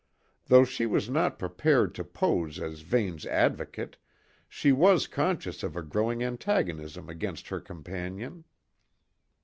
Though she was not prepared to pose as Vane's advocate, she was conscious of a growing antagonism against her companion.